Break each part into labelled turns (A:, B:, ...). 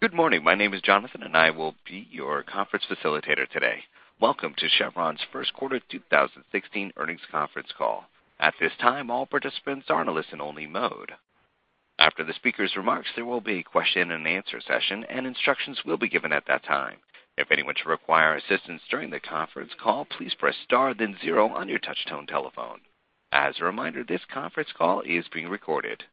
A: Good morning. My name is Jonathan, and I will be your conference facilitator today. Welcome to Chevron's first quarter 2016 earnings conference call. At this time, all participants are in a listen-only mode. After the speakers' remarks, there will be a question-and-answer session, instructions will be given at that time. If anyone should require assistance during the conference call, please press star then zero on your touch-tone telephone. As a reminder, this conference call is being recorded.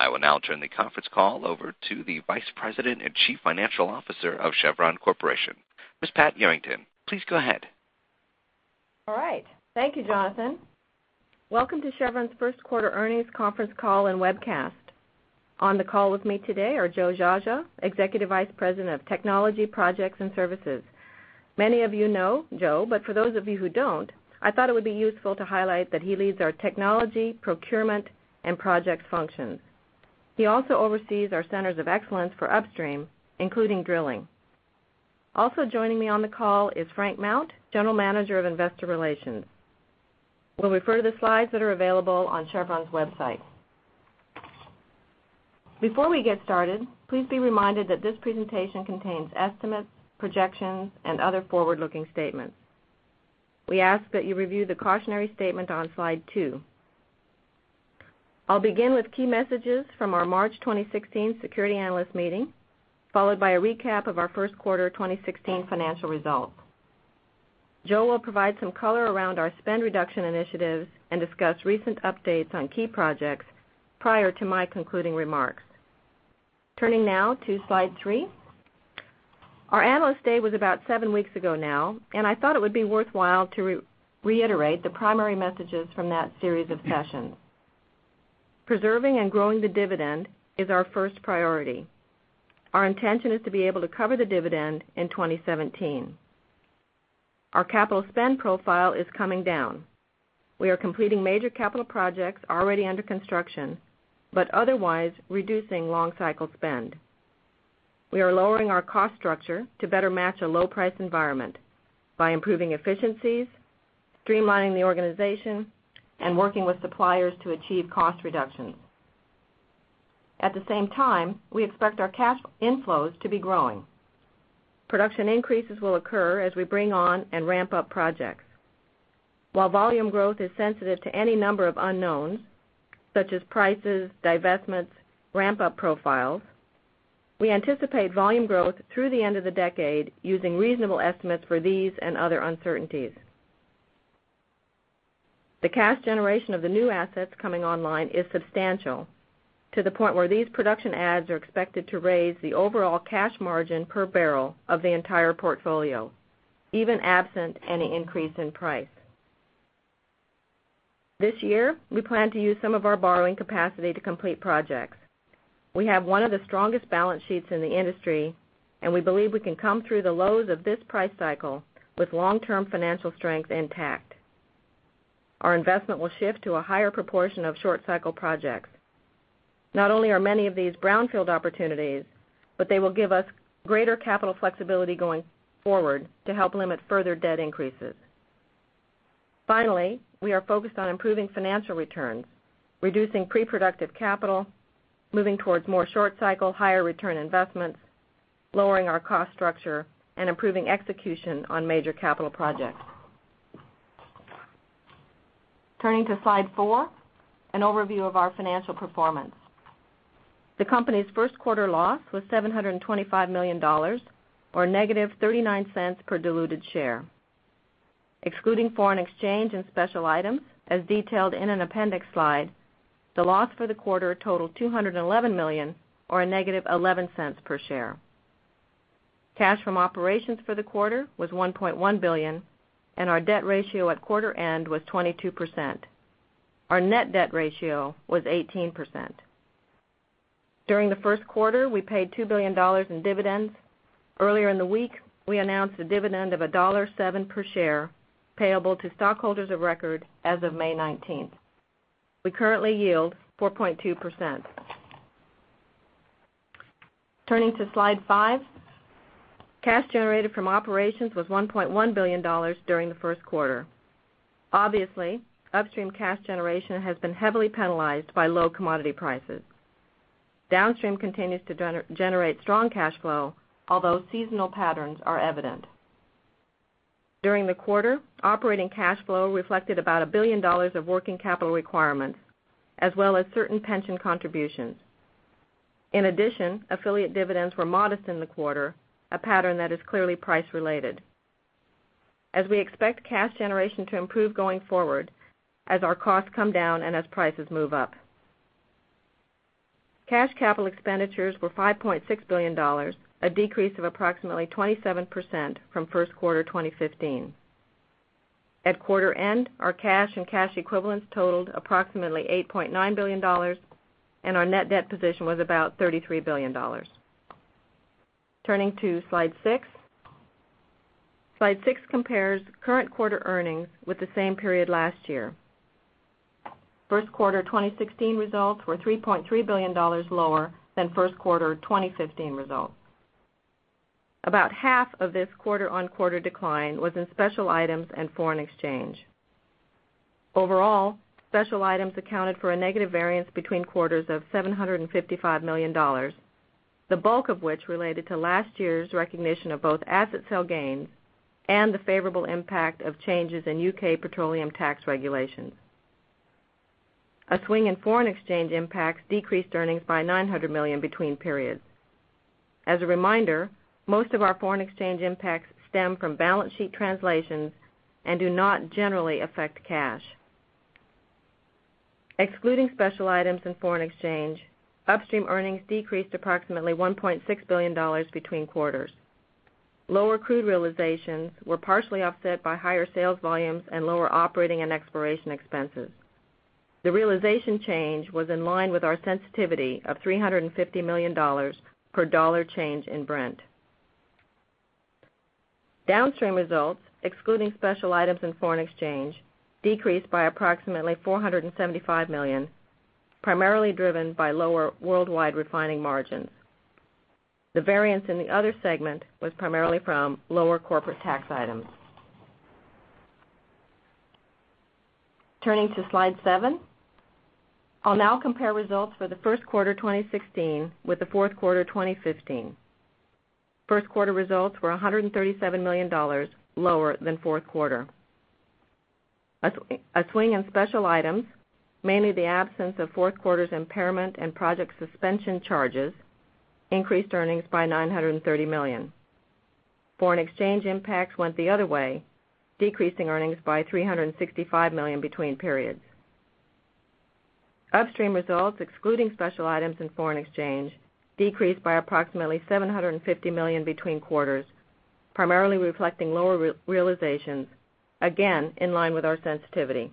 A: I will now turn the conference call over to the Vice President and Chief Financial Officer of Chevron Corporation, Ms. Pat Yarrington. Please go ahead.
B: All right. Thank you, Jonathan. Welcome to Chevron's first quarter earnings conference call and webcast. On the call with me today are Joe Geagea, Executive Vice President of Technology, Projects and Services. Many of you know Joe, for those of you who don't, I thought it would be useful to highlight that he leads our technology, procurement, and projects functions. He also oversees our centers of excellence for upstream, including drilling. Also joining me on the call is Frank Mount, General Manager of Investor Relations. We'll refer to the slides that are available on chevron.com. Before we get started, please be reminded that this presentation contains estimates, projections, and other forward-looking statements. We ask that you review the cautionary statement on Slide 2. I'll begin with key messages from our March 2016 security analyst meeting, followed by a recap of our first quarter 2016 financial results. Joe will provide some color around our spend reduction initiatives and discuss recent updates on key projects prior to my concluding remarks. Turning now to Slide three. Our Analyst Day was about seven weeks ago now, I thought it would be worthwhile to reiterate the primary messages from that series of sessions. Preserving and growing the dividend is our first priority. Our intention is to be able to cover the dividend in 2017. Our capital spend profile is coming down. We are completing major capital projects already under construction, otherwise reducing long-cycle spend. We are lowering our cost structure to better match a low-price environment by improving efficiencies, streamlining the organization, and working with suppliers to achieve cost reductions. At the same time, we expect our cash inflows to be growing. Production increases will occur as we bring on and ramp up projects. While volume growth is sensitive to any number of unknowns, such as prices, divestments, ramp-up profiles, we anticipate volume growth through the end of the decade using reasonable estimates for these and other uncertainties. The cash generation of the new assets coming online is substantial, to the point where these production adds are expected to raise the overall cash margin per barrel of the entire portfolio, even absent any increase in price. This year, we plan to use some of our borrowing capacity to complete projects. We have one of the strongest balance sheets in the industry, we believe we can come through the lows of this price cycle with long-term financial strength intact. Our investment will shift to a higher proportion of short-cycle projects. Not only are many of these brownfield opportunities, they will give us greater capital flexibility going forward to help limit further debt increases. Finally, we are focused on improving financial returns, reducing pre-productive capital, moving towards more short-cycle, higher-return investments, lowering our cost structure, and improving execution on major capital projects. Turning to Slide four, an overview of our financial performance. The company's first quarter loss was $725 million, or negative $0.39 per diluted share. Excluding foreign exchange and special items, as detailed in an appendix slide, the loss for the quarter totaled $211 million, or a negative $0.11 per share. Cash from operations for the quarter was $1.1 billion, and our debt ratio at quarter end was 22%. Our net debt ratio was 18%. During the first quarter, we paid $2 billion in dividends. Earlier in the week, we announced a dividend of $1.07 per share, payable to stockholders of record as of May 19th. We currently yield 4.2%. Turning to Slide five. Cash generated from operations was $1.1 billion during the first quarter. Obviously, upstream cash generation has been heavily penalized by low commodity prices. Downstream continues to generate strong cash flow, although seasonal patterns are evident. During the quarter, operating cash flow reflected about $1 billion of working capital requirements, as well as certain pension contributions. In addition, affiliate dividends were modest in the quarter, a pattern that is clearly price related, as we expect cash generation to improve going forward as our costs come down and as prices move up. Cash capital expenditures were $5.6 billion, a decrease of approximately 27% from first quarter 2015. At quarter end, our cash and cash equivalents totaled approximately $8.9 billion, and our net debt position was about $33 billion. Turning to Slide six. Slide six compares current quarter earnings with the same period last year. First quarter 2016 results were $3.3 billion lower than first quarter 2015 results. About half of this quarter-on-quarter decline was in special items and foreign exchange. Overall, special items accounted for a negative variance between quarters of $755 million, the bulk of which related to last year's recognition of both asset sale gains and the favorable impact of changes in U.K. petroleum tax regulations. A swing in foreign exchange impacts decreased earnings by $900 million between periods. As a reminder, most of our foreign exchange impacts stem from balance sheet translations and do not generally affect cash. Excluding special items and foreign exchange, Upstream earnings decreased approximately $1.6 billion between quarters. Lower crude realizations were partially offset by higher sales volumes and lower operating and exploration expenses. The realization change was in line with our sensitivity of $350 million per dollar change in Brent. Downstream results, excluding special items in foreign exchange, decreased by approximately $475 million, primarily driven by lower worldwide refining margins. The variance in the other segment was primarily from lower corporate tax items. Turning to Slide seven. I'll now compare results for the first quarter 2016 with the fourth quarter 2015. First quarter results were $137 million lower than fourth quarter. A swing in special items, mainly the absence of fourth quarter's impairment and project suspension charges, increased earnings by $930 million. Foreign exchange impacts went the other way, decreasing earnings by $365 million between periods. Upstream results, excluding special items and foreign exchange, decreased by approximately $750 million between quarters, primarily reflecting lower realizations, again, in line with our sensitivity.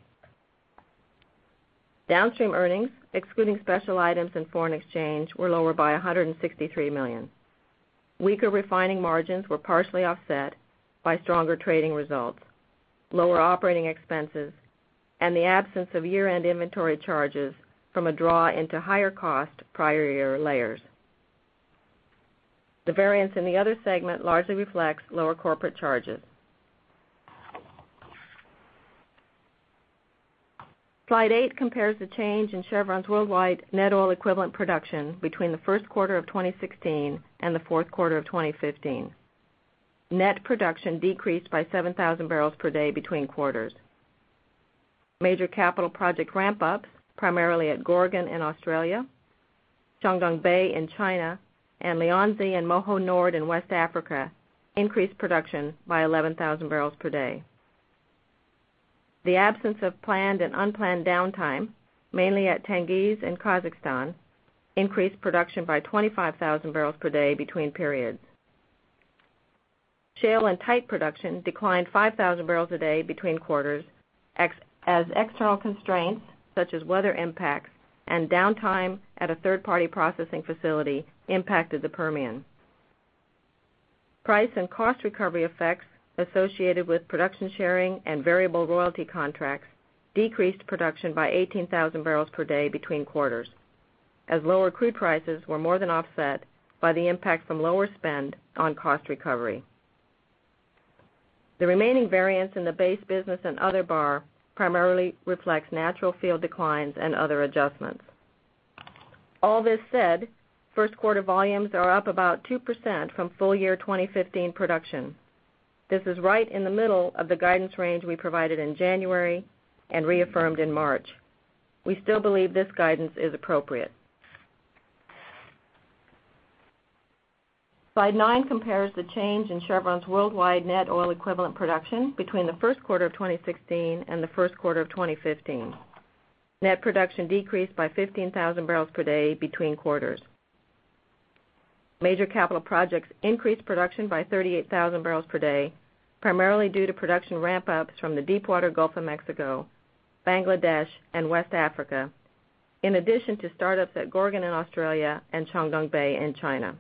B: Downstream earnings, excluding special items and foreign exchange, were lower by $163 million. Weaker refining margins were partially offset by stronger trading results, lower operating expenses, and the absence of year-end inventory charges from a draw into higher cost prior year layers. The variance in the other segment largely reflects lower corporate charges. Slide eight compares the change in Chevron's worldwide net oil equivalent production between the first quarter of 2016 and the fourth quarter of 2015. Net production decreased by 7,000 barrels per day between quarters. Major capital project ramp-ups, primarily at Gorgon in Australia, Chuandongbei in China, and Lianzi and Moho Nord in West Africa, increased production by 11,000 barrels per day. The absence of planned and unplanned downtime, mainly at Tengiz in Kazakhstan, increased production by 25,000 barrels per day between periods. Shale and tight production declined 5,000 barrels a day between quarters as external constraints, such as weather impacts and downtime at a third-party processing facility impacted the Permian. Price and cost recovery effects associated with production sharing and variable royalty contracts decreased production by 18,000 barrels per day between quarters, as lower crude prices were more than offset by the impact from lower spend on cost recovery. The remaining variance in the base business and other BAR primarily reflects natural field declines and other adjustments. All this said, first quarter volumes are up about 2% from full year 2015 production. This is right in the middle of the guidance range we provided in January and reaffirmed in March. We still believe this guidance is appropriate. Slide nine compares the change in Chevron's worldwide net oil equivalent production between the first quarter of 2016 and the first quarter of 2015. Net production decreased by 15,000 barrels per day between quarters. Major capital projects increased production by 38,000 barrels per day, primarily due to production ramp-ups from the deepwater Gulf of Mexico, Bangladesh, and West Africa, in addition to startups at Gorgon in Australia and Chuandongbei in China.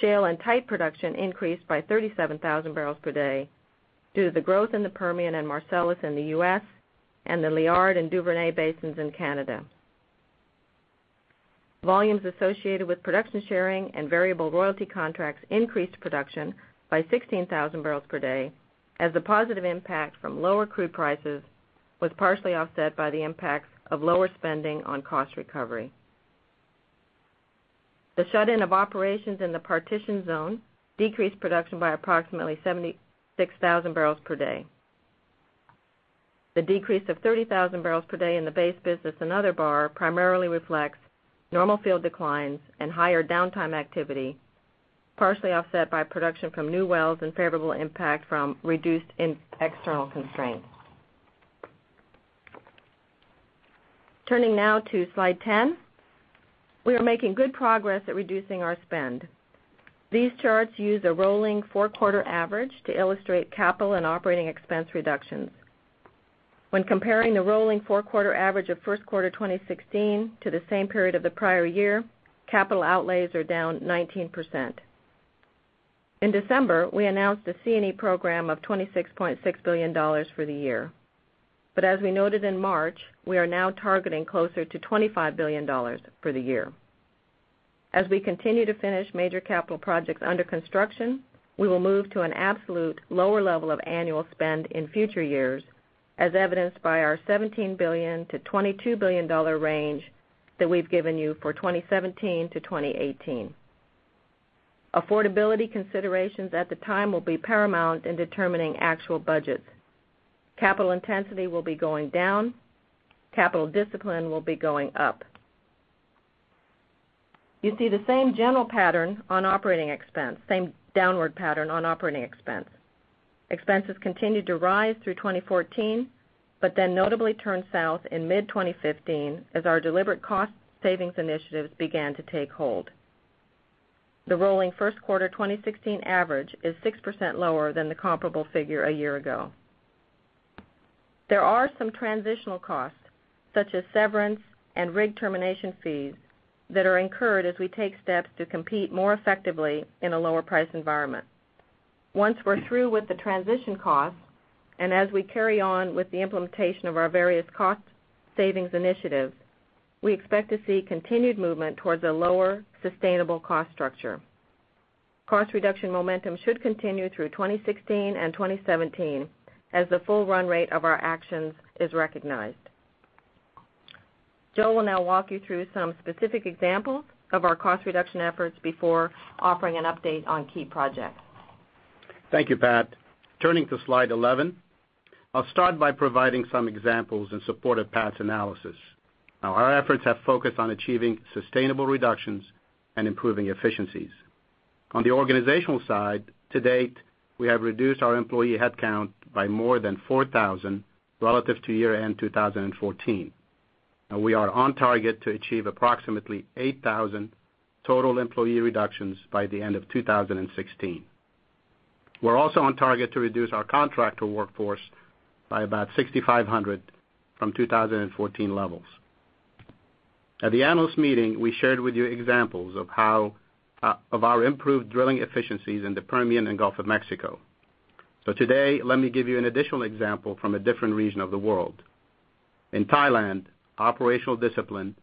B: Shale and tight production increased by 37,000 barrels per day due to the growth in the Permian and Marcellus in the U.S. and the Liard and Duvernay basins in Canada. Volumes associated with production sharing and variable royalty contracts increased production by 16,000 barrels per day, as the positive impact from lower crude prices was partially offset by the impacts of lower spending on cost recovery. The shut-in of operations in the Partitioned Zone decreased production by approximately 76,000 barrels per day. The decrease of 30,000 barrels per day in the base business and other BAR primarily reflects normal field declines and higher downtime activity, partially offset by production from new wells and favorable impact from reduced external constraints. Turning now to slide 10. We are making good progress at reducing our spend. These charts use a rolling four-quarter average to illustrate capital and operating expense reductions. When comparing the rolling four-quarter average of first quarter 2016 to the same period of the prior year, capital outlays are down 19%. In December, we announced a C&E program of $26.6 billion for the year. As we noted in March, we are now targeting closer to $25 billion for the year. As we continue to finish major capital projects under construction, we will move to an absolute lower level of annual spend in future years, as evidenced by our $17 billion-$22 billion range that we've given you for 2017 to 2018. Affordability considerations at the time will be paramount in determining actual budgets. Capital intensity will be going down, capital discipline will be going up. You see the same general pattern on operating expense, same downward pattern on operating expense. Expenses continued to rise through 2014, notably turned south in mid-2015 as our deliberate cost savings initiatives began to take hold. The rolling first quarter 2016 average is 6% lower than the comparable figure a year ago. There are some transitional costs, such as severance and rig termination fees, that are incurred as we take steps to compete more effectively in a lower price environment. Once we're through with the transition costs, and as we carry on with the implementation of our various cost savings initiatives, we expect to see continued movement towards a lower sustainable cost structure. Cost reduction momentum should continue through 2016 and 2017 as the full run rate of our actions is recognized. Joe will now walk you through some specific examples of our cost reduction efforts before offering an update on key projects.
C: Thank you, Pat. Turning to slide 11, I'll start by providing some examples in support of Pat's analysis. Our efforts have focused on achieving sustainable reductions and improving efficiencies. On the organizational side, to date, we have reduced our employee headcount by more than 4,000 relative to year-end 2014. We are on target to achieve approximately 8,000 total employee reductions by the end of 2016. We're also on target to reduce our contractor workforce by about 6,500 from 2014 levels. At the analyst meeting, we shared with you examples of our improved drilling efficiencies in the Permian and Gulf of Mexico. Today, let me give you an additional example from a different region of the world. In Thailand, operational discipline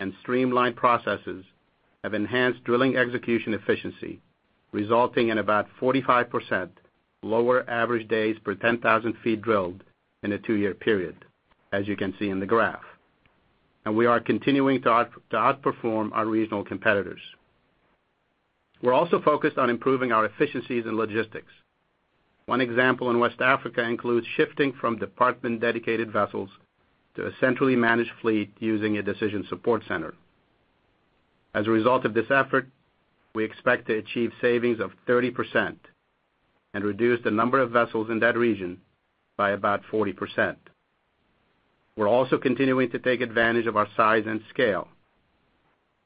C: and streamlined processes have enhanced drilling execution efficiency, resulting in about 45% lower average days per 10,000 feet drilled in a two-year period, as you can see in the graph. We are continuing to outperform our regional competitors. We're also focused on improving our efficiencies in logistics. One example in West Africa includes shifting from department dedicated vessels to a centrally managed fleet using a decision support center. As a result of this effort, we expect to achieve savings of 30% and reduce the number of vessels in that region by about 40%. We're also continuing to take advantage of our size and scale.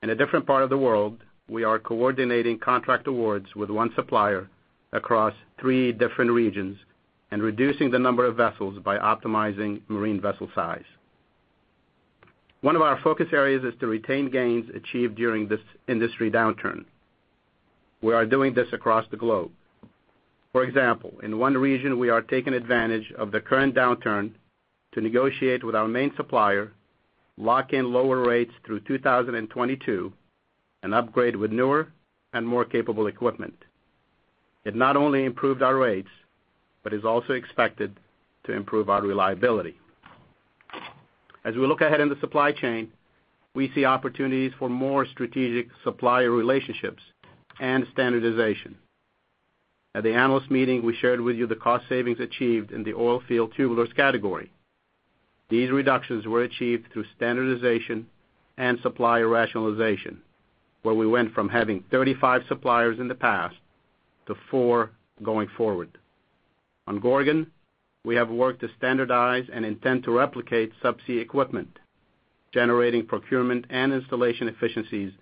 C: In a different part of the world, we are coordinating contract awards with one supplier across three different regions and reducing the number of vessels by optimizing marine vessel size. One of our focus areas is to retain gains achieved during this industry downturn. We are doing this across the globe. For example, in one region, we are taking advantage of the current downturn to negotiate with our main supplier, lock in lower rates through 2022, and upgrade with newer and more capable equipment. It not only improved our rates, but is also expected to improve our reliability. As we look ahead in the supply chain, we see opportunities for more strategic supplier relationships and standardization. At the analyst meeting, we shared with you the cost savings achieved in the oilfield tubulars category. These reductions were achieved through standardization and supplier rationalization, where we went from having 35 suppliers in the past to four going forward. On Gorgon, we have worked to standardize and intend to replicate subsea equipment, generating procurement and installation efficiencies,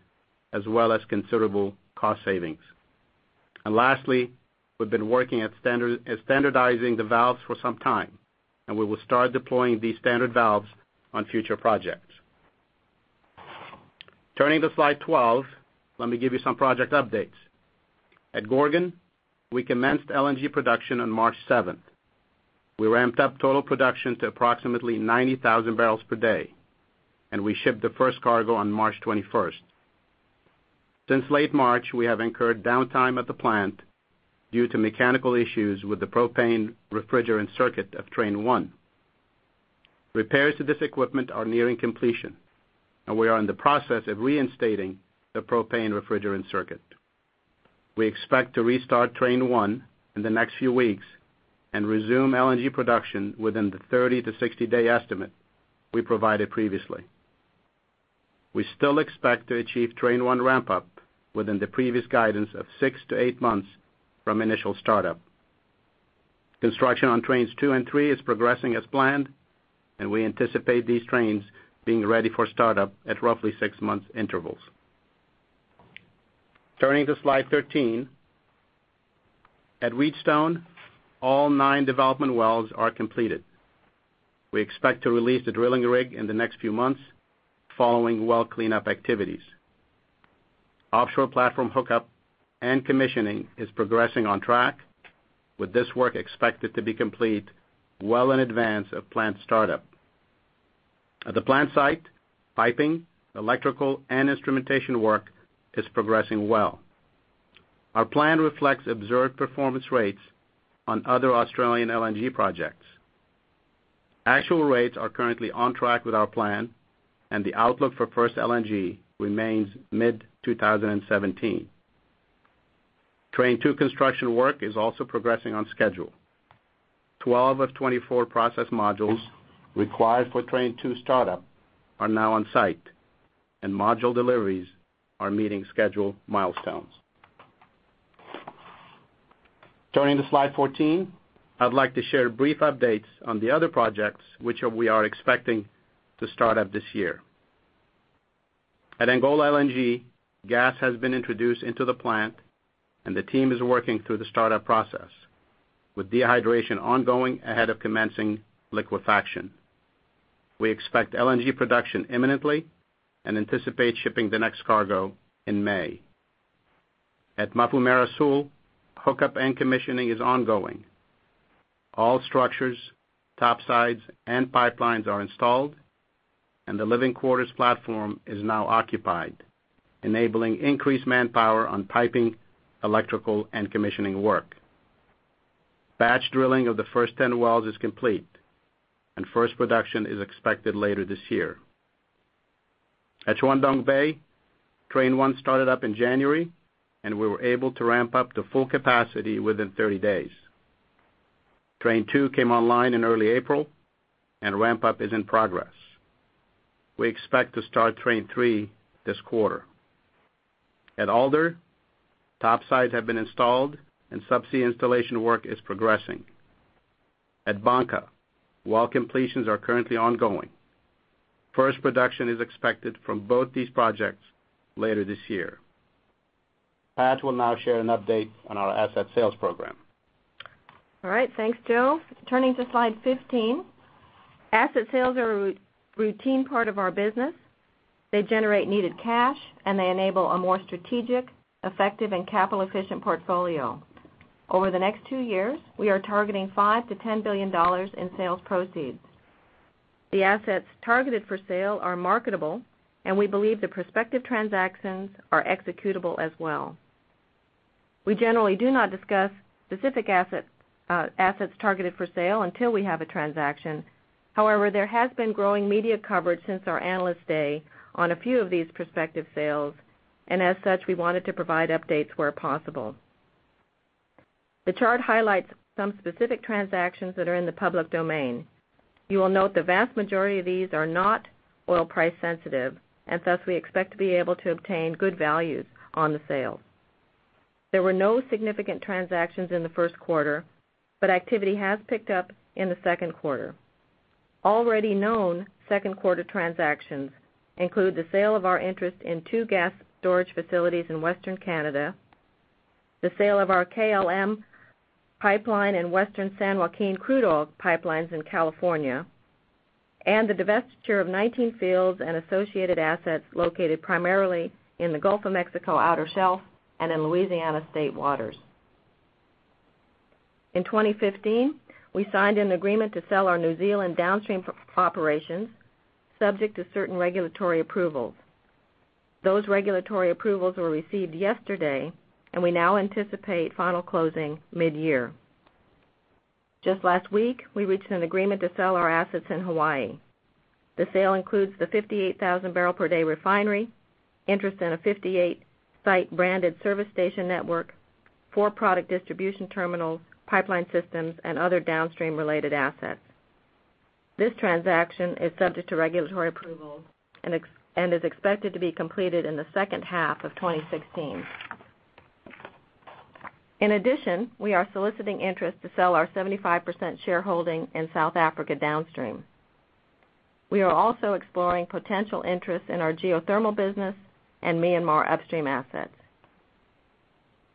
C: as well as considerable cost savings. Lastly, we've been working at standardizing the valves for some time, and we will start deploying these standard valves on future projects. Turning to slide 12, let me give you some project updates. At Gorgon, we commenced LNG production on March 7th. We ramped up total production to approximately 90,000 barrels per day, and we shipped the first cargo on March 21st. Since late March, we have incurred downtime at the plant due to mechanical issues with the propane refrigerant circuit of train 1. Repairs to this equipment are nearing completion, and we are in the process of reinstating the propane refrigerant circuit. We expect to restart train 1 in the next few weeks and resume LNG production within the 30-60 day estimate we provided previously. We still expect to achieve train 1 ramp-up within the previous guidance of six to eight months from initial startup. Construction on trains 2 and 3 is progressing as planned, and we anticipate these trains being ready for startup at roughly six months intervals. Turning to slide 13. At Wheatstone, all nine development wells are completed. We expect to release the drilling rig in the next few months following well cleanup activities. Offshore platform hookup and commissioning is progressing on track, with this work expected to be complete well in advance of plant startup. At the plant site, piping, electrical, and instrumentation work is progressing well. Our plan reflects observed performance rates on other Australian LNG projects. Actual rates are currently on track with our plan, and the outlook for first LNG remains mid-2017. Train 2 construction work is also progressing on schedule. 12 of 24 process modules required for train 2 startup are now on site, and module deliveries are meeting schedule milestones. Turning to slide 14, I'd like to share brief updates on the other projects which we are expecting to start up this year. At Angola LNG, gas has been introduced into the plant, and the team is working through the startup process, with dehydration ongoing ahead of commencing liquefaction. We expect LNG production imminently and anticipate shipping the next cargo in May. At Mafumeira Sul, hookup and commissioning is ongoing. All structures, topsides, and pipelines are installed, and the living quarters platform is now occupied, enabling increased manpower on piping, electrical, and commissioning work. Batch drilling of the first 10 wells is complete, and first production is expected later this year. At Chuandongbei, train 1 started up in January, and we were able to ramp up to full capacity within 30 days. Train 2 came online in early April, and ramp up is in progress. We expect to start train 3 this quarter. At Alder, topsides have been installed and subsea installation work is progressing. At Bangka, well completions are currently ongoing. First production is expected from both these projects later this year. Pat will now share an update on our asset sales program.
B: All right. Thanks, Joe. Turning to slide 15. Asset sales are a routine part of our business. They generate needed cash, and they enable a more strategic, effective, and capital-efficient portfolio. Over the next two years, we are targeting $5 billion-$10 billion in sales proceeds. The assets targeted for sale are marketable, and we believe the prospective transactions are executable as well. We generally do not discuss specific assets targeted for sale until we have a transaction. However, there has been growing media coverage since our Analyst Day on a few of these prospective sales, and as such, we wanted to provide updates where possible. The chart highlights some specific transactions that are in the public domain. You will note the vast majority of these are not oil price sensitive, and thus, we expect to be able to obtain good values on the sale. There were no significant transactions in the first quarter, but activity has picked up in the second quarter. Already known second quarter transactions include the sale of our interest in two gas storage facilities in Western Canada, the sale of our KLM Pipeline and western San Joaquin crude oil pipelines in California, and the divestiture of 19 fields and associated assets located primarily in the Gulf of Mexico outer shelf and in Louisiana state waters. In 2015, we signed an agreement to sell our New Zealand downstream operations subject to certain regulatory approvals. Those regulatory approvals were received yesterday, and we now anticipate final closing mid-year. Just last week, we reached an agreement to sell our assets in Hawaii. The sale includes the 58,000 barrel per day refinery, interest in a 58 site branded service station network, four product distribution terminals, pipeline systems, and other downstream related assets. This transaction is subject to regulatory approval and is expected to be completed in the second half of 2016. In addition, we are soliciting interest to sell our 75% shareholding in South Africa downstream. We are also exploring potential interest in our geothermal business and Myanmar upstream assets.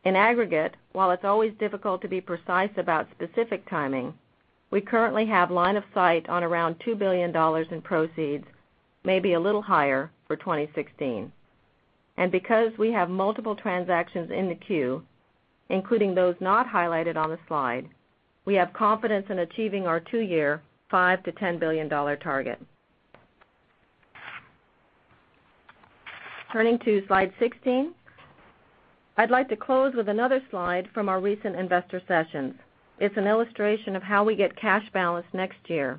B: In aggregate, while it's always difficult to be precise about specific timing, we currently have line of sight on around $2 billion in proceeds, maybe a little higher for 2016. Because we have multiple transactions in the queue, including those not highlighted on the slide, we have confidence in achieving our two-year $5 billion-$10 billion target. Turning to slide 16. I'd like to close with another slide from our recent investor sessions. It's an illustration of how we get cash balance next year.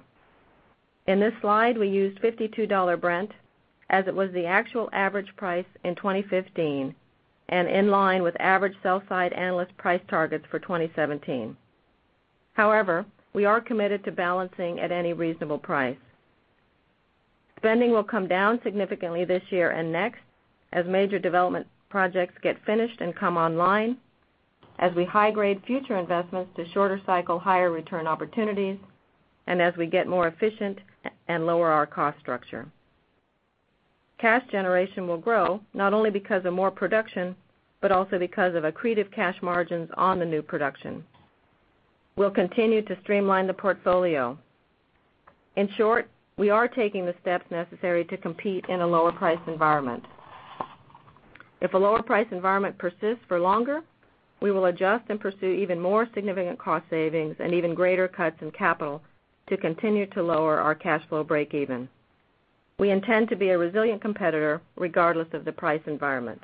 B: In this slide, we used $52 Brent as it was the actual average price in 2015 and in line with average sell side analyst price targets for 2017. However, we are committed to balancing at any reasonable price. Spending will come down significantly this year and next as major development projects get finished and come online, as we high-grade future investments to shorter cycle, higher return opportunities, and as we get more efficient and lower our cost structure. Cash generation will grow not only because of more production, but also because of accretive cash margins on the new production. We'll continue to streamline the portfolio. In short, we are taking the steps necessary to compete in a lower price environment. If a lower price environment persists for longer, we will adjust and pursue even more significant cost savings and even greater cuts in capital to continue to lower our cash flow breakeven. We intend to be a resilient competitor regardless of the price environment.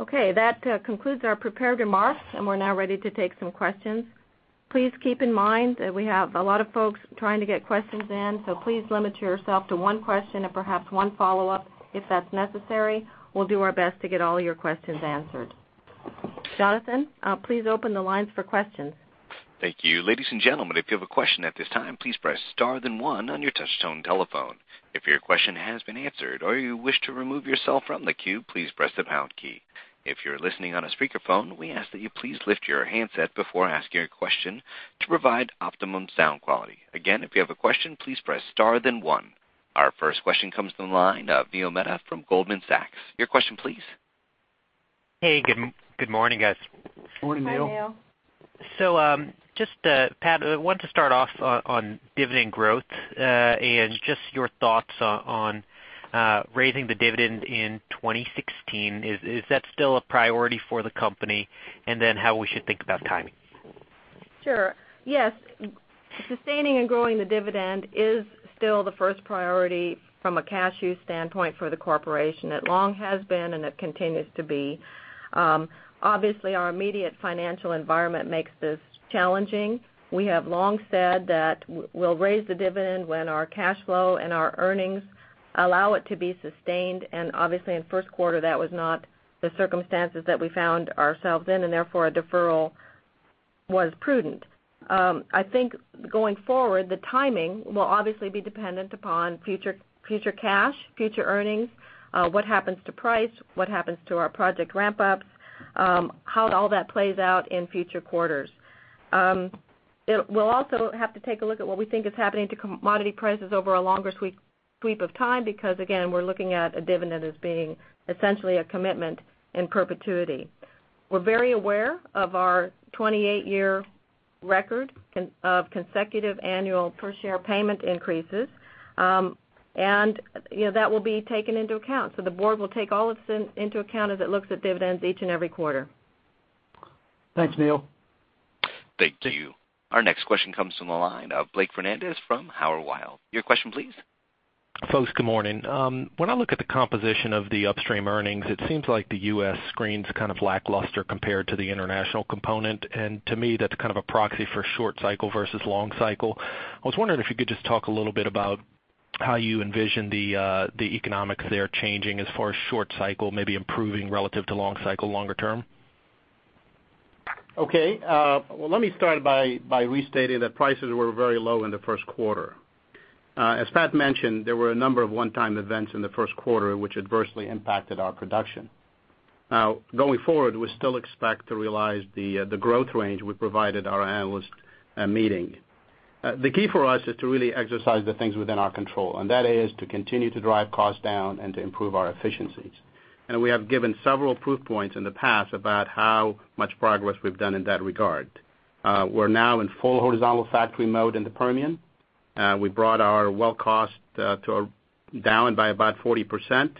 B: Okay. That concludes our prepared remarks, and we're now ready to take some questions. Please keep in mind that we have a lot of folks trying to get questions in, so please limit yourself to one question and perhaps one follow-up if that's necessary. We'll do our best to get all your questions answered. Jonathan, please open the lines for questions.
A: Thank you. Ladies and gentlemen, if you have a question at this time, please press star then one on your touch tone telephone. If your question has been answered or you wish to remove yourself from the queue, please press the pound key. If you're listening on a speakerphone, we ask that you please lift your handset before asking your question to provide optimum sound quality. Again, if you have a question, please press star then one. Our first question comes from the line of Neil Mehta from Goldman Sachs. Your question please.
D: Hey, good morning, guys.
B: Morning, Neil.
E: Morning, Neil.
D: Just, Pat, I want to start off on dividend growth, just your thoughts on raising the dividend in 2016. Is that still a priority for the company? How we should think about timing?
B: Sure. Yes. Sustaining and growing the dividend is still the first priority from a cash use standpoint for the corporation. It long has been, it continues to be. Obviously, our immediate financial environment makes this challenging. We have long said that we'll raise the dividend when our cash flow and our earnings allow it to be sustained, obviously in first quarter, that was not the circumstances that we found ourselves in, therefore a deferral was prudent. I think going forward, the timing will obviously be dependent upon future cash, future earnings, what happens to price, what happens to our project ramp-ups, how all that plays out in future quarters. We'll also have to take a look at what we think is happening to commodity prices over a longer sweep of time, because again, we're looking at a dividend as being essentially a commitment in perpetuity. We're very aware of our 28-year record of consecutive annual per share payment increases. That will be taken into account. The board will take all this into account as it looks at dividends each and every quarter.
E: Thanks, Neil.
A: Thank you. Our next question comes from the line of Blake Fernandez from Howard Weil. Your question please.
F: Folks, good morning. When I look at the composition of the upstream earnings, it seems like the U.S. screen's kind of lackluster compared to the international component, to me, that's a proxy for short cycle versus long cycle. I was wondering if you could just talk a little bit about how you envision the economics there changing as far as short cycle, maybe improving relative to long cycle longer term.
C: Okay. Well, let me start by restating that prices were very low in the first quarter. As Pat mentioned, there were a number of one-time events in the first quarter which adversely impacted our production. Going forward, we still expect to realize the growth range we provided our analyst meeting. The key for us is to really exercise the things within our control, and that is to continue to drive costs down and to improve our efficiencies. We have given several proof points in the past about how much progress we've done in that regard. We're now in full horizontal factory mode in the Permian. We brought our well cost down by about 40%,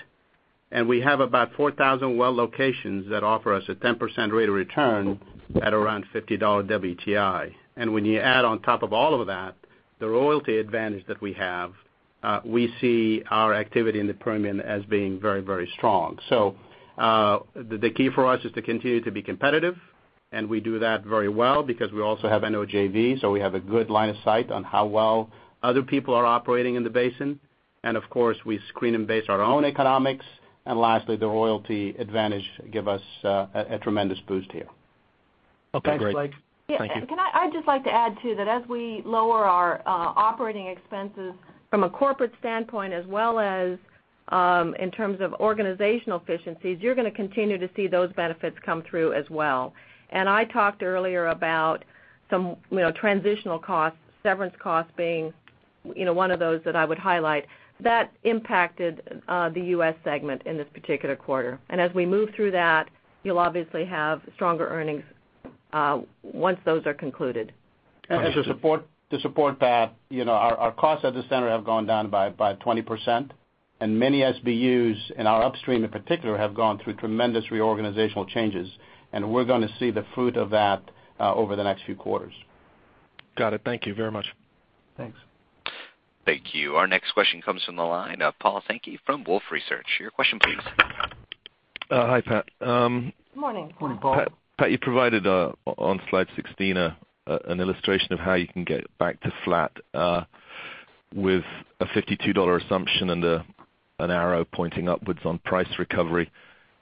C: and we have about 4,000 well locations that offer us a 10% rate of return at around $50 WTI. When you add on top of all of that, the royalty advantage that we have, we see our activity in the Permian as being very strong. The key for us is to continue to be competitive, and we do that very well because we also have an OJV, so we have a good line of sight on how well other people are operating in the basin. Of course, we screen and base our own economics. Lastly, the royalty advantage give us a tremendous boost here.
F: Okay. Great. Thank you.
B: I'd just like to add, too, that as we lower our operating expenses from a corporate standpoint as well as in terms of organizational efficiencies, you're going to continue to see those benefits come through as well. I talked earlier about some transitional costs, severance costs being one of those that I would highlight. That impacted the U.S. segment in this particular quarter. As we move through that, you'll obviously have stronger earnings once those are concluded.
C: Just to support that, our costs at the center have gone down by 20%, many SBUs in our upstream in particular, have gone through tremendous reorganizational changes, we're going to see the fruit of that over the next few quarters.
F: Got it. Thank you very much.
E: Thanks.
A: Thank you. Our next question comes from the line of Paul Sankey from Wolfe Research. Your question please.
G: Hi, Pat.
B: Morning.
C: Morning, Paul.
G: Pat, you provided on slide 16 an illustration of how you can get back to flat with a $52 assumption and an arrow pointing upwards on price recovery.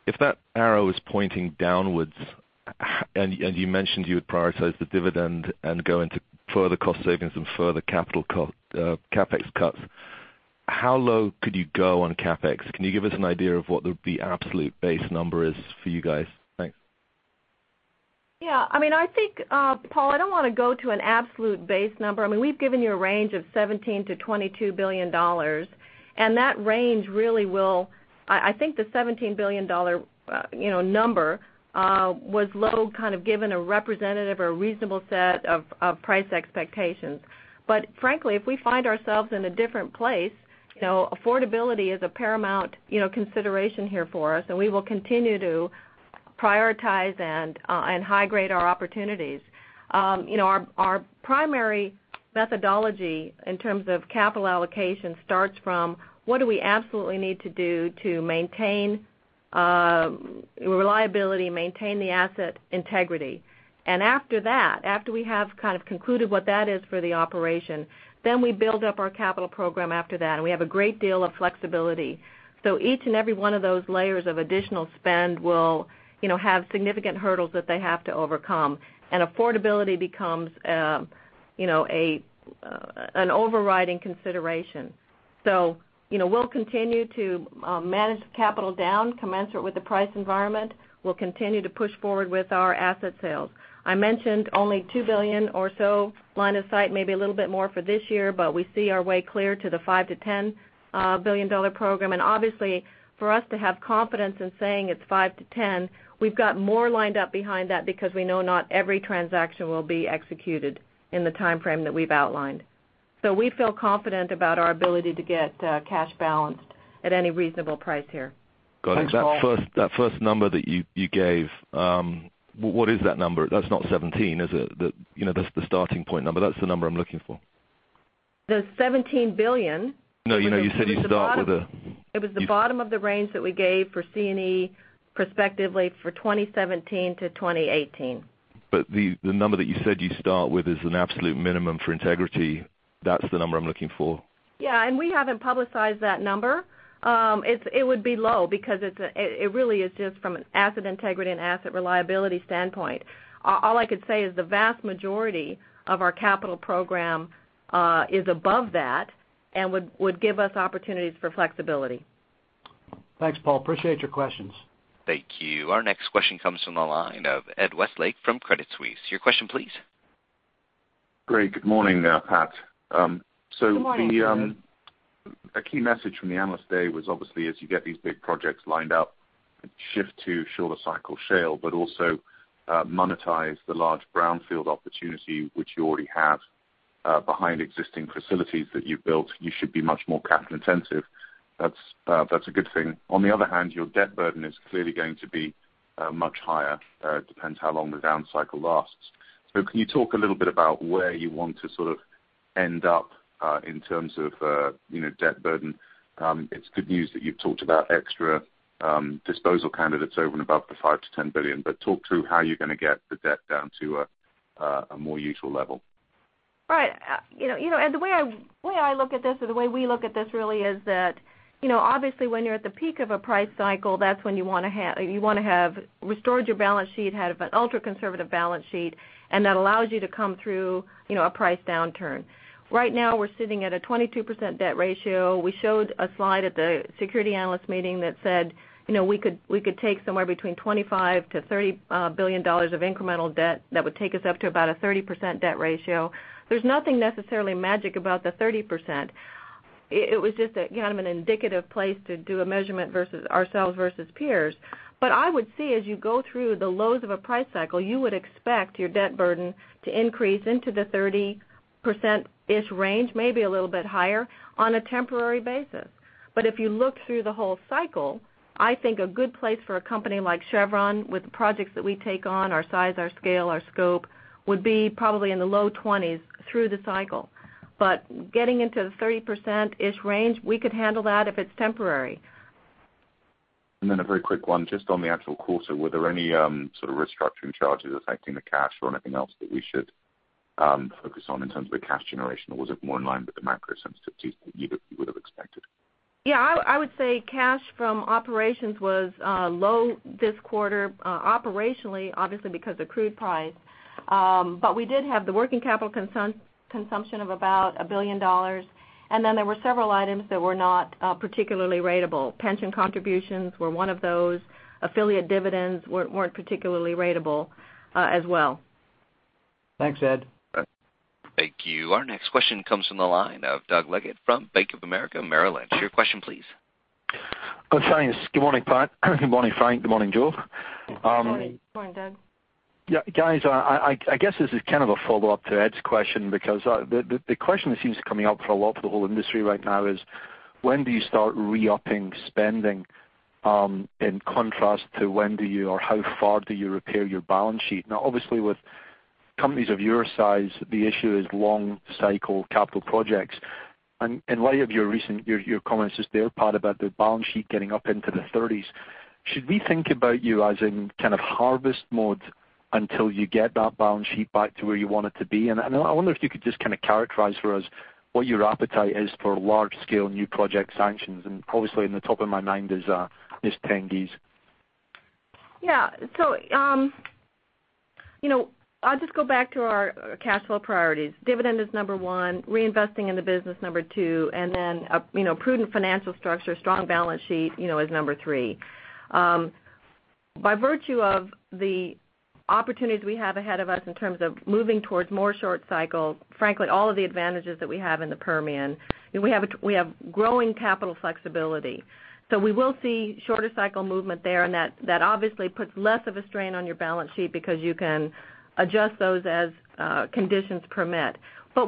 G: If that arrow is pointing downwards and you mentioned you would prioritize the dividend and go into further cost savings and further CapEx cuts, how low could you go on CapEx? Can you give us an idea of what the absolute base number is for you guys? Thanks.
B: Yeah. I think, Paul, I don't want to go to an absolute base number. We've given you a range of $17 billion-$22 billion. I think the $17 billion number was low, kind of given a representative or reasonable set of price expectations. Frankly, if we find ourselves in a different place, affordability is a paramount consideration here for us, we will continue to prioritize and high grade our opportunities. Our primary methodology in terms of capital allocation starts from what do we absolutely need to do to maintain reliability, maintain the asset integrity. After that, after we have kind of concluded what that is for the operation, we build up our capital program after that, we have a great deal of flexibility. Each and every one of those layers of additional spend will have significant hurdles that they have to overcome, affordability becomes an overriding consideration. We'll continue to manage the capital down commensurate with the price environment. We'll continue to push forward with our asset sales. I mentioned only $2 billion or so line of sight, maybe a little bit more for this year, but we see our way clear to the $5 billion-$10 billion program. Obviously, for us to have confidence in saying it's $5 billion-$10 billion, we've got more lined up behind that because we know not every transaction will be executed in the time frame that we've outlined. We feel confident about our ability to get cash balanced at any reasonable price here.
G: Got it.
E: Thanks, Paul.
G: That first number that you gave, what is that number? That's not 17, is it? That's the starting point number. That's the number I'm looking for.
B: The $17 billion.
G: No, you said you'd start with the-
B: It was the bottom of the range that we gave for C&E respectively for 2017-2018.
G: The number that you said you start with is an absolute minimum for integrity. That's the number I'm looking for.
B: Yeah. We haven't publicized that number. It would be low because it really is just from an asset integrity and asset reliability standpoint. All I could say is the vast majority of our capital program is above that and would give us opportunities for flexibility.
E: Thanks, Paul. Appreciate your questions.
A: Thank you. Our next question comes from the line of Ed Westlake from Credit Suisse. Your question, please.
H: Great. Good morning, Pat.
B: Good morning, Ed.
H: A key message from the Analyst Day was obviously as you get these big projects lined up, shift to shorter cycle shale, but also monetize the large brownfield opportunity which you already have behind existing facilities that you've built. You should be much more capital intensive. That's a good thing. On the other hand, your debt burden is clearly going to be much higher. It depends how long the down cycle lasts. Can you talk a little bit about where you want to sort of end up in terms of debt burden? It's good news that you've talked about extra disposal candidates over and above the $5 billion-$10 billion, but talk through how you're going to get the debt down to a more usual level.
B: Right. Ed, the way I look at this or the way we look at this really is that, obviously, when you're at the peak of a price cycle, that's when you want to have restored your balance sheet, have an ultra-conservative balance sheet, and that allows you to come through a price downturn. Right now, we're sitting at a 22% debt ratio. We showed a slide at the security analyst meeting that said we could take somewhere between $25 billion-$30 billion of incremental debt that would take us up to about a 30% debt ratio. There's nothing necessarily magic about the 30%. It was just kind of an indicative place to do a measurement versus ourselves versus peers. I would see as you go through the lows of a price cycle, you would expect your debt burden to increase into the 30%-ish range, maybe a little bit higher on a temporary basis. If you look through the whole cycle, I think a good place for a company like Chevron with the projects that we take on, our size, our scale, our scope, would be probably in the low 20s through the cycle. Getting into the 30%-ish range, we could handle that if it's temporary.
H: A very quick one, just on the actual quarter, were there any sort of restructuring charges affecting the cash or anything else that we should focus on in terms of the cash generation? Was it more in line with the macro sensitivities that you would have expected?
B: I would say cash from operations was low this quarter operationally, obviously, because of crude price. We did have the working capital consumption of about $1 billion. There were several items that were not particularly ratable. Pension contributions were one of those. Affiliate dividends weren't particularly ratable as well.
E: Thanks, Ed.
A: Thank you. Our next question comes from the line of Doug Leggate from Bank of America Merrill Lynch. Your question please.
I: Good thanks. Good morning, Pat. Good morning, Frank. Good morning, Joe.
B: Good morning, Doug.
I: Yeah, guys, I guess this is kind of a follow-up to Ed's question because the question that seems to be coming up for a lot for the whole industry right now is when do you start re-upping spending, in contrast to when do you or how far do you repair your balance sheet? Obviously, with companies of your size, the issue is long cycle capital projects. In light of your recent comments just there, Pat, about the balance sheet getting up into the 30s, should we think about you as in kind of harvest mode until you get that balance sheet back to where you want it to be? I wonder if you could just characterize for us what your appetite is for large scale new project sanctions. Obviously in the top of my mind is Tengiz.
B: Yeah. I'll just go back to our cash flow priorities. Dividend is number one, reinvesting in the business number two, a prudent financial structure, strong balance sheet is number three. By virtue of the opportunities we have ahead of us in terms of moving towards more short cycle, frankly, all of the advantages that we have in the Permian, we have growing capital flexibility. We will see shorter cycle movement there, that obviously puts less of a strain on your balance sheet because you can adjust those as conditions permit.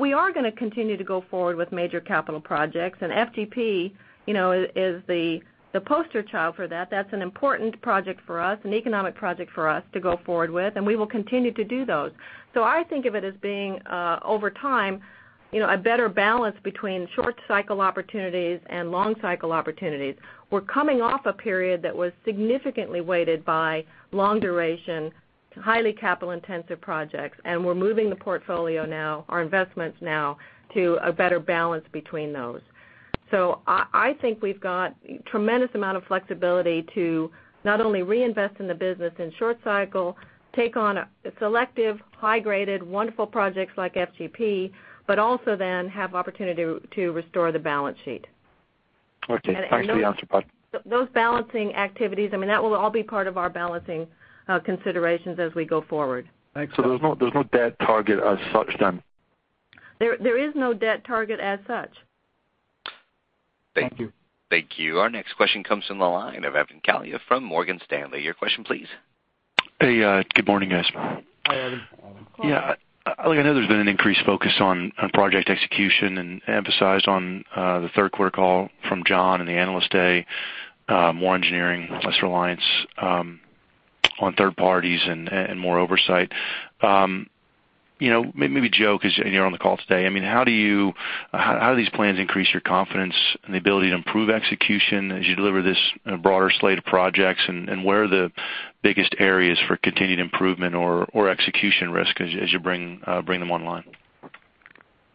B: We are going to continue to go forward with major capital projects, FGP is the poster child for that. That's an important project for us, an economic project for us to go forward with, we will continue to do those. I think of it as being, over time, a better balance between short cycle opportunities and long cycle opportunities. We're coming off a period that was significantly weighted by long duration, highly capital-intensive projects, we're moving the portfolio now, our investments now, to a better balance between those. I think we've got tremendous amount of flexibility to not only reinvest in the business in short cycle, take on selective, high-graded, wonderful projects like FGP, have opportunity to restore the balance sheet.
E: Okay. Thanks for the answer, Pat.
B: Those balancing activities, that will all be part of our balancing considerations as we go forward.
I: Thanks.
E: There's no debt target as such, then?
B: There is no debt target as such.
E: Thank you.
I: Thank you.
A: Thank you. Our next question comes from the line of Evan Calio from Morgan Stanley. Your question, please.
J: Hey, good morning, guys.
B: Hi, Evan.
C: Hi.
J: Look, I know there's been an increased focus on project execution and emphasized on the third quarter call from John and the Analyst Day, more engineering, less reliance on third parties and more oversight. Maybe Joe, because you're on the call today, how do these plans increase your confidence and the ability to improve execution as you deliver this broader slate of projects, and where are the biggest areas for continued improvement or execution risk as you bring them online?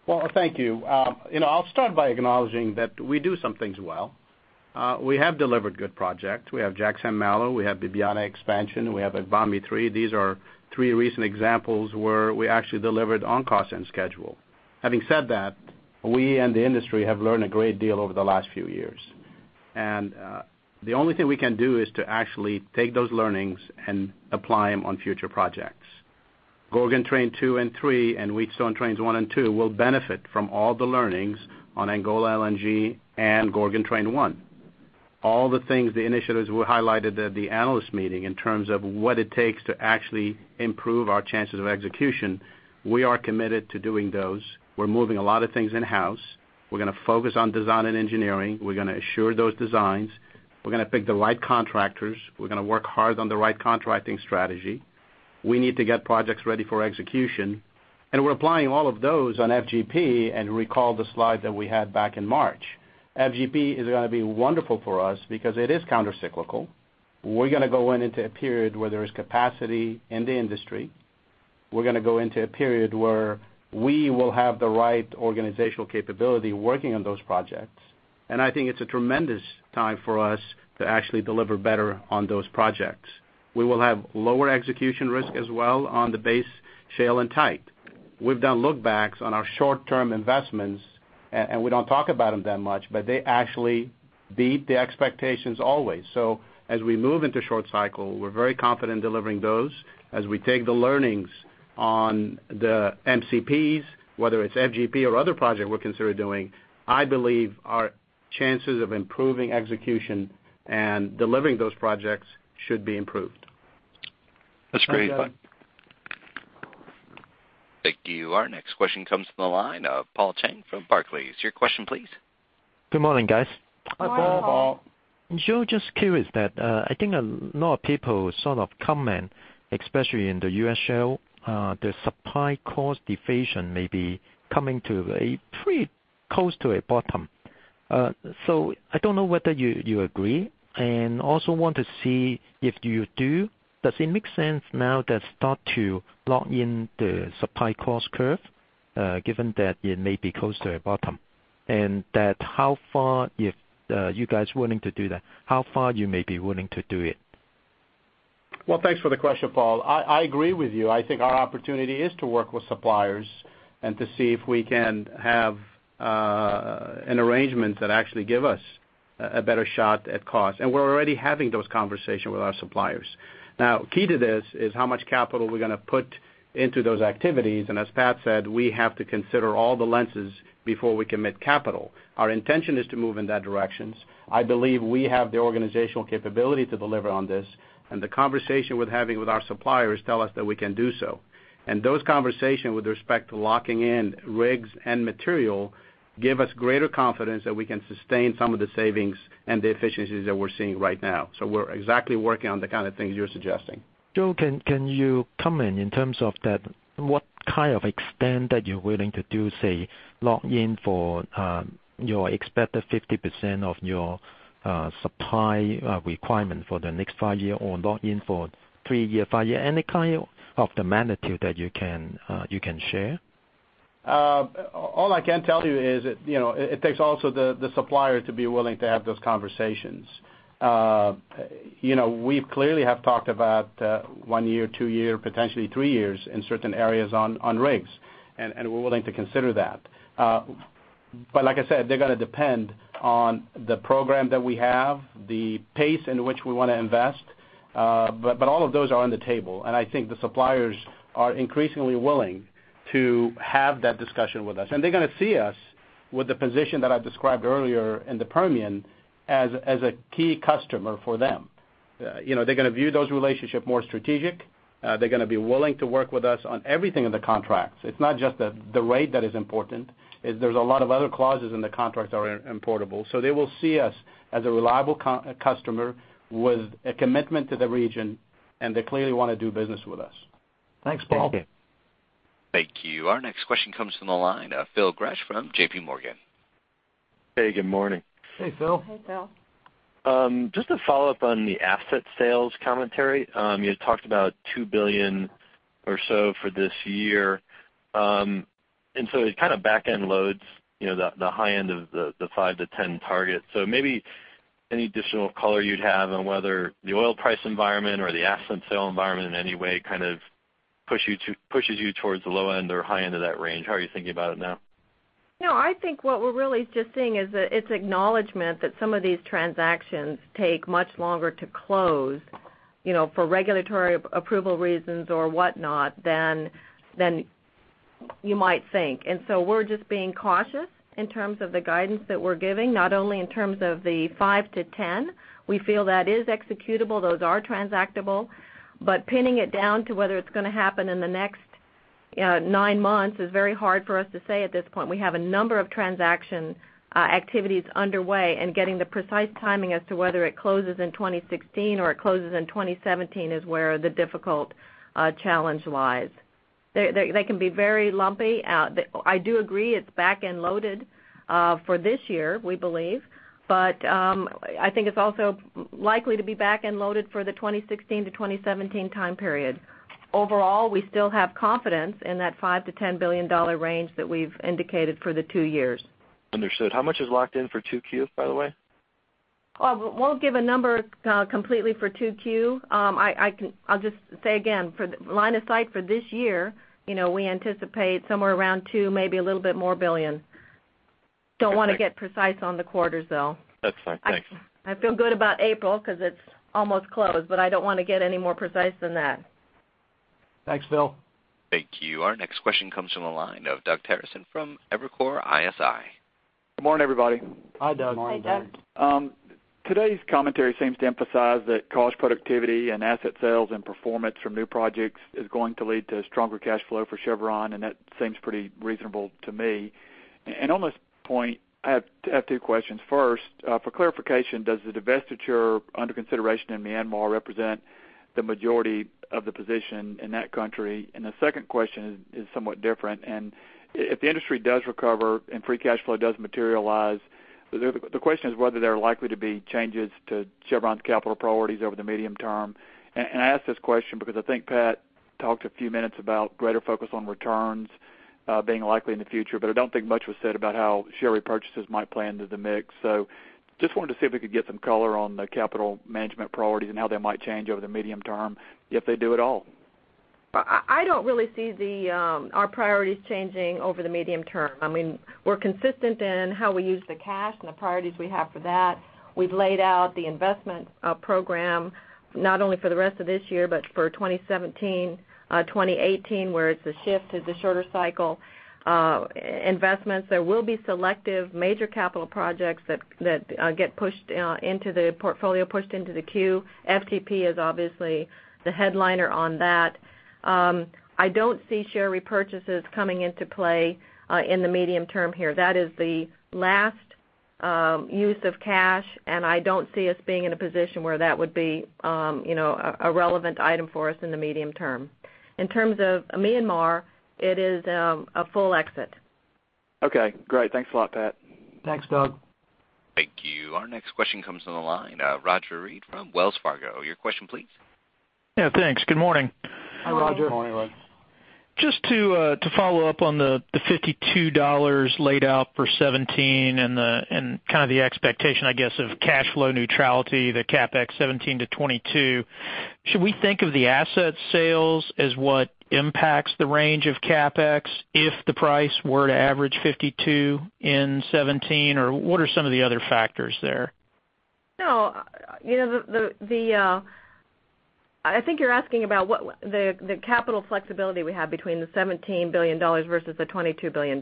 C: Well, thank you. I'll start by acknowledging that we do some things well. We have delivered good project. We have Jack/St. Malo, we have Bibiyana expansion, we have Agbami 3. These are three recent examples where we actually delivered on cost and schedule. Having said that, we and the industry have learned a great deal over the last few years. The only thing we can do is to actually take those learnings and apply them on future projects. Gorgon Train 2 and 3 and Wheatstone Trains 1 and 2 will benefit from all the learnings on Angola LNG and Gorgon Train 1. All the things, the initiatives were highlighted at the analyst meeting in terms of what it takes to actually improve our chances of execution, we are committed to doing those. We're moving a lot of things in-house. We're going to focus on design and engineering. We're going to assure those designs. We're going to pick the right contractors. We're going to work hard on the right contracting strategy. We need to get projects ready for execution, and we're applying all of those on FGP. Recall the slide that we had back in March. FGP is going to be wonderful for us because it is countercyclical. We're going to go in into a period where there is capacity in the industry. We're going to go into a period where we will have the right organizational capability working on those projects, I think it's a tremendous time for us to actually deliver better on those projects. We will have lower execution risk as well on the base shale and tight. We've done look backs on our short-term investments, we don't talk about them that much, but they actually beat the expectations always. As we move into short cycle, we're very confident delivering those. As we take the learnings on the MCPs, whether it's FGP or other project we're considering doing, I believe our chances of improving execution and delivering those projects should be improved.
J: That's great.
E: Thanks, Evan.
A: Thank you. Our next question comes from the line of Paul Cheng from Barclays. Your question, please.
K: Good morning, guys.
B: Hi, Paul.
C: Hi, Paul.
K: Joe, just curious that I think a lot of people comment, especially in the U.S. shale the supply cost deflation may be coming to a pretty close to a bottom. I don't know whether you agree and also want to see if you do, does it make sense now that start to lock in the supply cost curve given that it may be close to a bottom. That how far, if you guys willing to do that, how far you may be willing to do it?
C: Thanks for the question, Paul. I agree with you. I think our opportunity is to work with suppliers and to see if we can have an arrangement that actually give us a better shot at cost. We're already having those conversations with our suppliers. Key to this is how much capital we're going to put into those activities. As Pat said, we have to consider all the lenses before we commit capital. Our intention is to move in that direction. I believe we have the organizational capability to deliver on this, and the conversations we're having with our suppliers tell us that we can do so. Those conversations with respect to locking in rigs and material give us greater confidence that we can sustain some of the savings and the efficiencies that we're seeing right now. We're exactly working on the kind of things you're suggesting.
K: Joe, can you comment in terms of that, what kind of extent that you're willing to do, say, lock in for your expected 50% of your supply requirement for the next five years or lock in for three years, five years? Any kind of the magnitude that you can share?
C: All I can tell you is it takes also the supplier to be willing to have those conversations. We clearly have talked about one year, two years, potentially three years in certain areas on rigs, we're willing to consider that. Like I said, they're going to depend on the program that we have, the pace in which we want to invest. All of those are on the table, I think the suppliers are increasingly willing to have that discussion with us. They're going to see us with the position that I described earlier in the Permian as a key customer for them. They're going to view those relationships more strategic. They're going to be willing to work with us on everything in the contracts. It's not just the rate that is important, there's a lot of other clauses in the contracts that are important. they will see us as a reliable customer with a commitment to the region, and they clearly want to do business with us.
E: Thanks, Paul.
A: Thank you. Our next question comes from the line, Phil Gresh from JPMorgan.
L: Hey, good morning.
C: Hey, Phil.
B: Hey, Phil.
L: Just to follow up on the asset sales commentary. You had talked about $2 billion or so for this year. It kind of backend loads the high end of the $5 billion-$10 billion target. Maybe any additional color you'd have on whether the oil price environment or the asset sale environment in any way kind of pushes you towards the low end or high end of that range. How are you thinking about it now?
B: No, I think what we're really just seeing is that it's acknowledgement that some of these transactions take much longer to close for regulatory approval reasons or whatnot than you might think. We're just being cautious in terms of the guidance that we're giving, not only in terms of the $5 billion-$10 billion. We feel that is executable, those are transactable. Pinning it down to whether it's going to happen in the next 9 months is very hard for us to say at this point. We have a number of transaction activities underway, and getting the precise timing as to whether it closes in 2016 or it closes in 2017 is where the difficult challenge lies. They can be very lumpy. I do agree it's backend loaded for this year, we believe. I think it's also likely to be backend loaded for the 2016 to 2017 time period. Overall, we still have confidence in that $5 billion-$10 billion range that we've indicated for the two years.
L: Understood. How much is locked in for 2Q, by the way?
B: We won't give a number completely for 2Q. I'll just say again, for the line of sight for this year, we anticipate somewhere around $2 billion, maybe a little bit more. Don't want to get precise on the quarters, though.
L: That's fine, thanks.
B: I feel good about April because it's almost closed, but I don't want to get any more precise than that.
E: Thanks, Phil.
A: Thank you. Our next question comes from the line of Doug Terreson from Evercore ISI.
M: Good morning, everybody.
C: Hi, Doug.
B: Good morning, Doug.
M: Today's commentary seems to emphasize that cost productivity and asset sales and performance from new projects is going to lead to stronger cash flow for Chevron, and that seems pretty reasonable to me. On this point, I have two questions. First, for clarification, does the divestiture under consideration in Myanmar represent the majority of the position in that country? The second question is somewhat different. If the industry does recover and free cash flow does materialize, the question is whether there are likely to be changes to Chevron's capital priorities over the medium term. I ask this question because I think Pat talked a few minutes about greater focus on returns being likely in the future, but I don't think much was said about how share repurchases might play into the mix. Just wanted to see if we could get some color on the capital management priorities and how they might change over the medium term, if they do at all.
B: I don't really see our priorities changing over the medium term. We're consistent in how we use the cash and the priorities we have for that. We've laid out the investment program not only for the rest of this year, but for 2017, 2018, where it's a shift to the shorter cycle investments. There will be selective major capital projects that get pushed into the portfolio, pushed into the queue. FGP is obviously the headliner on that. I don't see share repurchases coming into play in the medium term here. That is the last use of cash, and I don't see us being in a position where that would be a relevant item for us in the medium term. In terms of Myanmar, it is a full exit.
M: Okay, great. Thanks a lot, Pat.
E: Thanks, Doug.
A: Thank you. Our next question comes from the line, Roger Read from Wells Fargo. Your question, please.
N: Yeah, thanks. Good morning.
C: Hi, Roger.
B: Good morning.
N: Just to follow up on the $52 laid out for 2017 and the expectation, I guess, of cash flow neutrality, the CapEx 2017 to 2022. Should we think of the asset sales as what impacts the range of CapEx if the price were to average $52 in 2017? Or what are some of the other factors there?
B: I think you're asking about the capital flexibility we have between the $17 billion versus the $22 billion.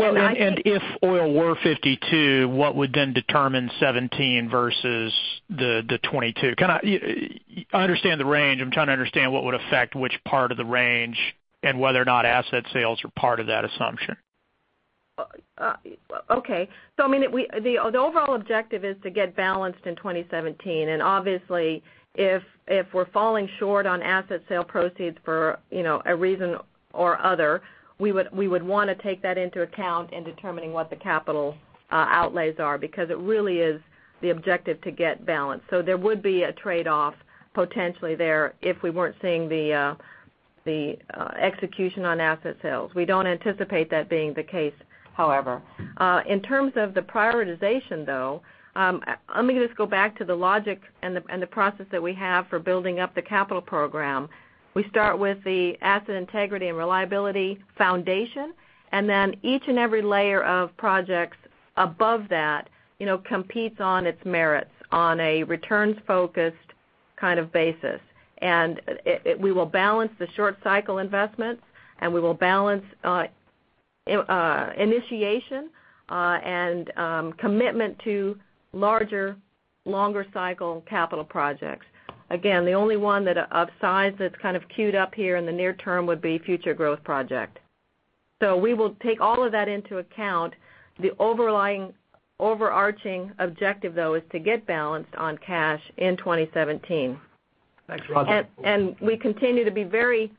N: If oil were $52, what would then determine $17 versus the $22? I understand the range. I'm trying to understand what would affect which part of the range, and whether or not asset sales are part of that assumption.
B: The overall objective is to get balanced in 2017. Obviously if we're falling short on asset sale proceeds for a reason or other, we would want to take that into account in determining what the capital outlays are, because it really is the objective to get balanced. There would be a trade-off potentially there if we weren't seeing the execution on asset sales. We don't anticipate that being the case, however. In terms of the prioritization, though, let me just go back to the logic and the process that we have for building up the capital program. We start with the asset integrity and reliability foundation, and then each and every layer of projects above that competes on its merits on a returns-focused kind of basis. We will balance the short cycle investments, and we will balance initiation and commitment to larger, longer cycle capital projects. Again, the only one of size that's kind of queued up here in the near term would be Future Growth Project. We will take all of that into account. The overarching objective, though, is to get balanced on cash in 2017.
E: Thanks, Roger. We continue to be very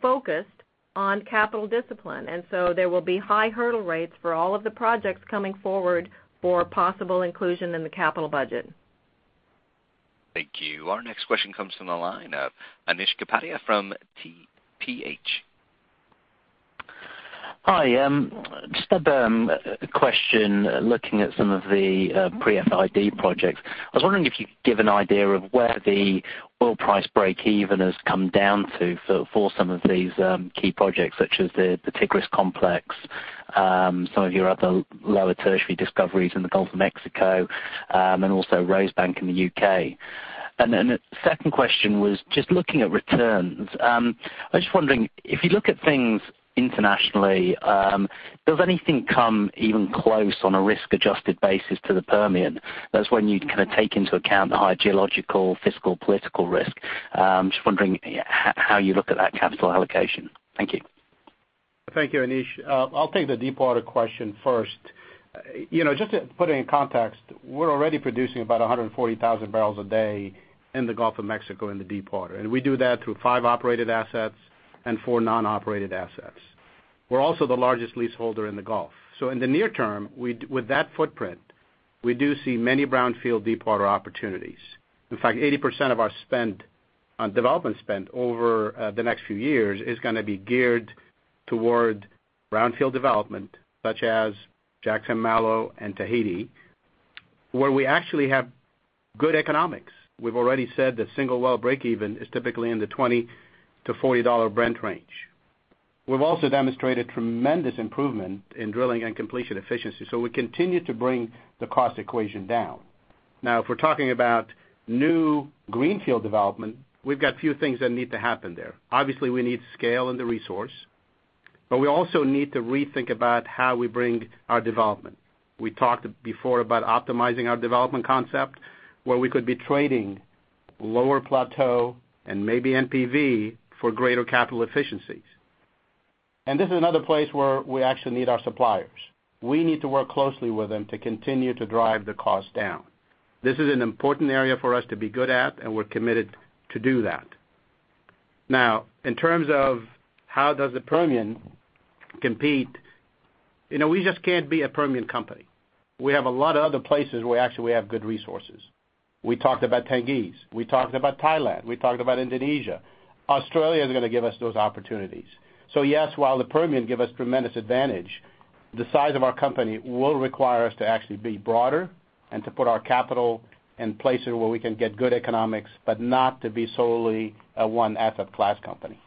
E: focused on capital discipline. So there will be high hurdle rates for all of the projects coming forward for possible inclusion in the capital budget.
A: Thank you. Our next question comes from the line of Anish Kapadia from TPH.
O: Hi. Just a question. Looking at some of the pre-FID projects, I was wondering if you could give an idea of where the oil price breakeven has come down to for some of these key projects, such as the Tigris complex, some of your other lower tertiary discoveries in the Gulf of Mexico, and also Rosebank in the U.K. Then the second question was just looking at returns. I was just wondering, if you look at things internationally, does anything come even close on a risk-adjusted basis to the Permian? That's when you kind of take into account the high geological, fiscal, political risk. Just wondering how you look at that capital allocation. Thank you.
C: Thank you, Anish. I'll take the deepwater question first. Just to put it in context, we're already producing about 140,000 barrels a day in the Gulf of Mexico in the deepwater, and we do that through five operated assets and four non-operated assets. We're also the largest leaseholder in the Gulf. In the near term, with that footprint, we do see many brownfield deepwater opportunities. In fact, 80% of our development spend over the next few years is going to be geared toward brownfield development such as Jack/St. Malo and Tahiti, where we actually have good economics. We've already said that single well breakeven is typically in the $20 to $40 Brent range. We've also demonstrated tremendous improvement in drilling and completion efficiency, we continue to bring the cost equation down. If we're talking about new greenfield development, we've got a few things that need to happen there. Obviously, we need scale in the resource, we also need to rethink about how we bring our development. We talked before about optimizing our development concept, where we could be trading lower plateau and maybe NPV for greater capital efficiencies. This is another place where we actually need our suppliers. We need to work closely with them to continue to drive the cost down. This is an important area for us to be good at, and we're committed to do that. In terms of how does the Permian compete, we just can't be a Permian company. We have a lot of other places where actually we have good resources. We talked about Tengiz. We talked about Thailand. We talked about Indonesia. Australia is going to give us those opportunities. Yes, while the Permian give us tremendous advantage, the size of our company will require us to actually be broader and to put our capital in places where we can get good economics, not to be solely a one asset class company.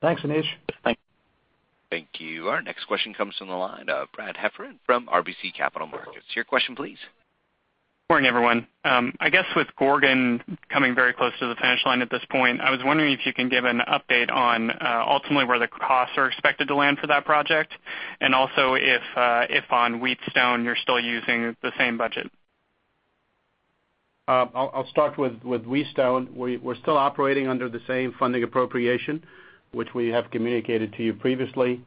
B: Thanks, Anish.
O: Thank you.
A: Thank you. Our next question comes from the line of Brad Heffern from RBC Capital Markets. Your question please.
P: Morning, everyone. I guess with Gorgon coming very close to the finish line at this point, I was wondering if you can give an update on ultimately where the costs are expected to land for that project, and also if on Wheatstone you're still using the same budget.
C: I'll start with Wheatstone. We're still operating under the same funding appropriation, which we have communicated to you previously.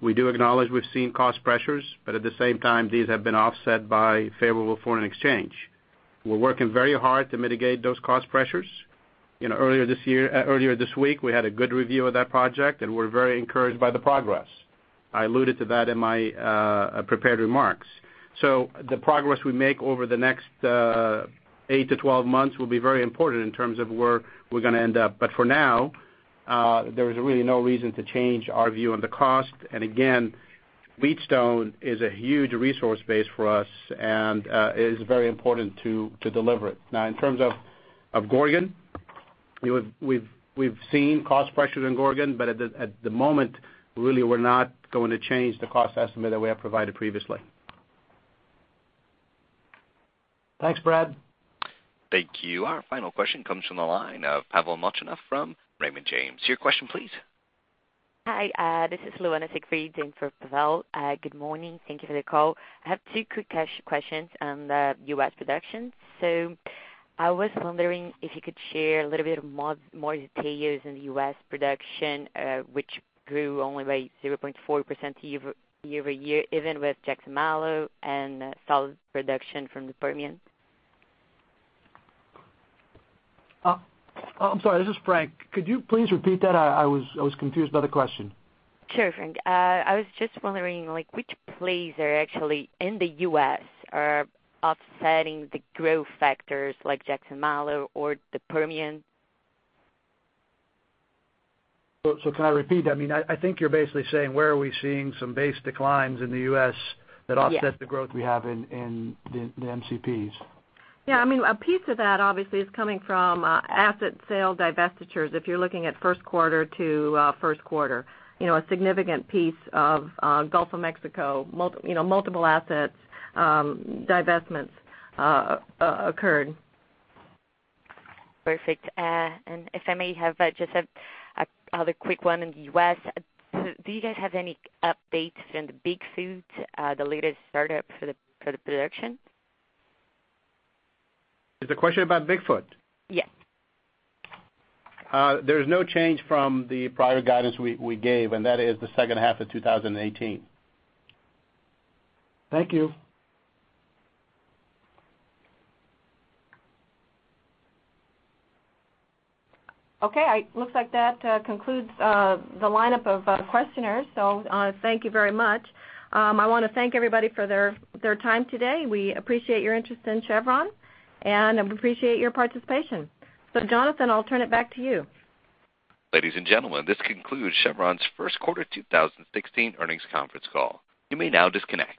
C: We do acknowledge we've seen cost pressures, but at the same time, these have been offset by favorable foreign exchange. We're working very hard to mitigate those cost pressures. Earlier this week, we had a good review of that project, and we're very encouraged by the progress. I alluded to that in my prepared remarks. The progress we make over the next eight to 12 months will be very important in terms of where we're going to end up. For now, there is really no reason to change our view on the cost. Again, Wheatstone is a huge resource base for us and is very important to deliver it. In terms of Gorgon, we've seen cost pressures in Gorgon, but at the moment, really we're not going to change the cost estimate that we have provided previously.
B: Thanks, Brad.
A: Thank you. Our final question comes from the line of Pavel Molchanov from Raymond James. Your question please.
Q: Hi, this is Luana Siegfried in for Pavel. Good morning. Thank you for the call. I have two quick questions on the U.S. production. I was wondering if you could share a little bit more details on the U.S. production, which grew only by 0.4% year-over-year, even with Jack/St. Malo and solid production from the Permian.
E: I'm sorry, this is Frank. Could you please repeat that? I was confused by the question.
Q: Sure, Frank. I was just wondering which plays are actually in the U.S. are offsetting the growth factors like Jack/St. Malo or the Permian?
E: Can I repeat that? I think you're basically saying where are we seeing some base declines in the U.S. that offset the growth we have in the MCPs.
B: Yeah, a piece of that obviously is coming from asset sale divestitures. If you're looking at first quarter to first quarter. A significant piece of Gulf of Mexico, multiple assets divestments occurred.
Q: Perfect. If I may have just another quick one in the U.S. Do you guys have any updates on the Bigfoot, the latest start-up for the production?
C: Is the question about Bigfoot?
Q: Yes.
C: There's no change from the prior guidance we gave, and that is the second half of 2018. Thank you.
B: Okay. It looks like that concludes the lineup of questioners. Thank you very much. I want to thank everybody for their time today. We appreciate your interest in Chevron, and we appreciate your participation. Jonathan, I'll turn it back to you.
A: Ladies and gentlemen, this concludes Chevron's first quarter 2016 earnings conference call. You may now disconnect.